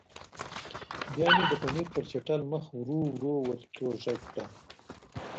بیا مې د پنیر پر چټل مخ ورو ورو ورتوږه کړل.